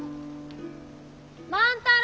万太郎！